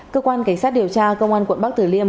cơ quan cảnh sát điều tra công an quận bắc tử liêm